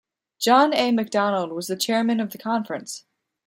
John A. Macdonald was the chairman of the conference.